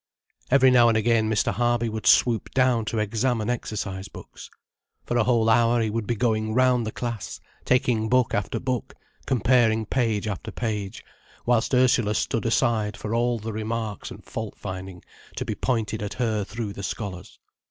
Every now and again Mr. Harby would swoop down to examine exercise books. For a whole hour, he would be going round the class, taking book after book, comparing page after page, whilst Ursula stood aside for all the remarks and fault finding to be pointed at her through the scholars.